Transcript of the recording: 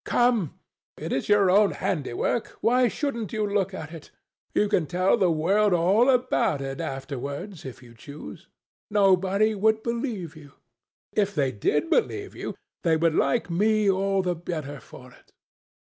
"Come: it is your own handiwork. Why shouldn't you look at it? You can tell the world all about it afterwards, if you choose. Nobody would believe you. If they did believe you, they would like me all the better for it.